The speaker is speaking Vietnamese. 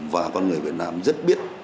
và con người việt nam rất biết